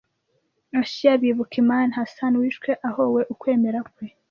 Aashiya bibuka Imam Ḥusayn wishwe ahowe ukwemera kwe